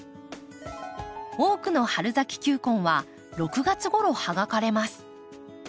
多くの春咲き球根は６月ごろ葉が枯れます。